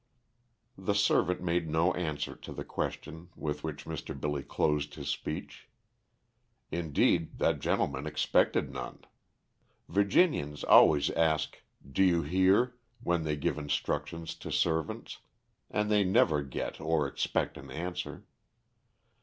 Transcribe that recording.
The servant made no answer to the question with which Mr. Billy closed his speech. Indeed that gentleman expected none. Virginians always ask "do you hear?" when they give instructions to servants, and they never get or expect an answer.